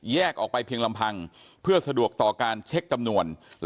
ออกไปเพียงลำพังเพื่อสะดวกต่อการเช็คจำนวน